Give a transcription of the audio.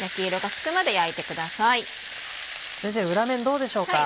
先生裏面どうでしょうか？